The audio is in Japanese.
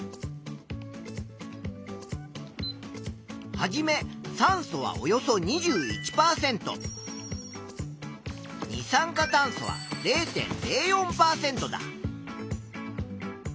はじめ酸素はおよそ２１％二酸化炭素は０．０４％だ。